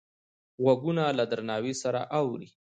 غوږونه له درناوي سره اوري